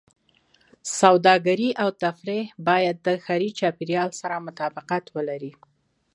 سوداګرۍ او تفریح باید د ښاري چاپېریال سره مطابقت ولري.